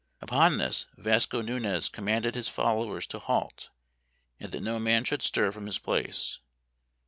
" Upon this Vasco Nunez commanded his fol lowers to halt, and that no man should stir from his place.